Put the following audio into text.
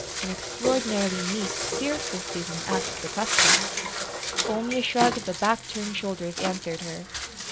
An extraordinarily meek, fearful Susan asked the question. Only a shrug of the back turned shoulders answered her.